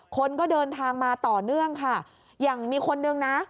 คนก็เดินทางมาต่อเนื่องค่ะอย่างมีคนนึงนะ